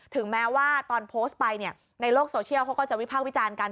ถึงแม้ว่าตอนโพสต์ไปในโลกโซเชียลเขาก็จะวิพากษ์วิจารณ์กัน